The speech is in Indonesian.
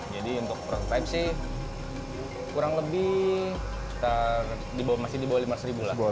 jadi untuk prototipe sih kurang lebih masih di bawah rp lima ratus lah